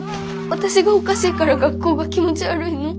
私がおかしいから学校が気持ち悪いの？